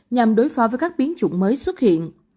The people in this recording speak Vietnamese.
nhằm đối phó với các biến chủng mới xuất hiện